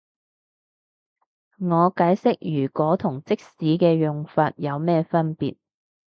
我解釋如果同即使嘅用法有咩分別